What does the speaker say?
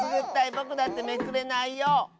ぼくだってめくれないよ。